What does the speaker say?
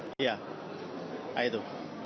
ya kayak itu